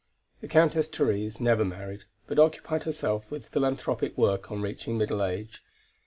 The Countess Therese never married, but occupied herself with philanthropic work on reaching middle age.